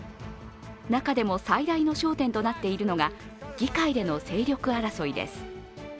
中でも最大の焦点となっているのが、議会での勢力争いです。